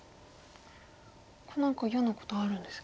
ここ何か嫌なことあるんですか。